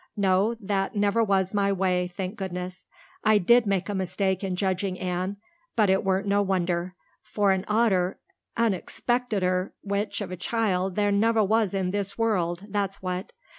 No, that never was my way, thank goodness. I did make a mistake in judging Anne, but it weren't no wonder, for an odder, unexpecteder witch of a child there never was in this world, that's what.